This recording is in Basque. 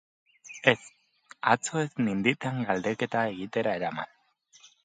Ez, atzo ez ninditean galdeketa egitera eraman.